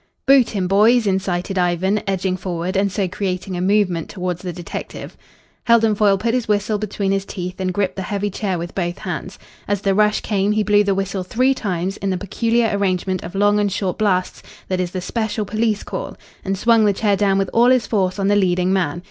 "Boot him, boys," incited Ivan, edging forward and so creating a movement towards the detective. Heldon Foyle put his whistle between his teeth and gripped the heavy chair with both hands. As the rush came he blew the whistle three times in the peculiar arrangement of long and short blasts that is the special police call, and swung the chair down with all his force on the leading man.